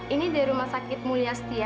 ini di rumah sakit mulya setia bapak